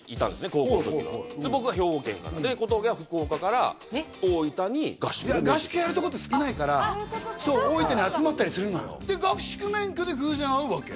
高校の時は僕が兵庫県からで小峠は合宿やるとこって少ないから大分に集まったりするのよで合宿免許で偶然会うわけ？